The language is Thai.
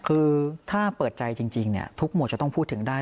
คือถ้าเปิดใจจริงทุกหมวดจะต้องพูดถึงได้